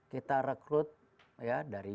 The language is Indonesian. kita rekrut dari